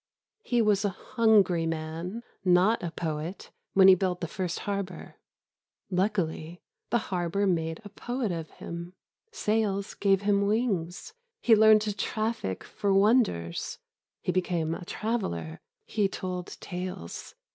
He was a hungry man, not a poet, when he built the first harbour. Luckily, the harbour made a poet of him. Sails gave him wings. He learned to traffic for wonders. He became a traveller. He told tales.